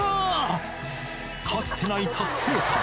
かつてない達成感。